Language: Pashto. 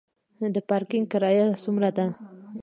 د پارکینګ کرایه څومره ده؟